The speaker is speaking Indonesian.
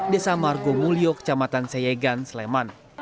desa margo mulyo kecamatan seyegan sleman